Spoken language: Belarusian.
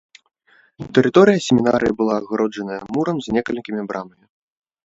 Тэрыторыя семінарыі была агароджаная мурам з некалькімі брамамі.